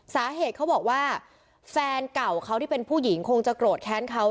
เขาบอกว่าแฟนเก่าเขาที่เป็นผู้หญิงคงจะโกรธแค้นเขา